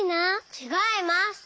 ちがいます。